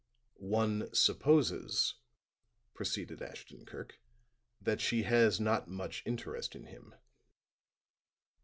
"One supposes," proceeded Ashton Kirk, "that she has not much interest in him."